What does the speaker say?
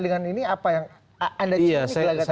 dengan ini apa yang anda cipin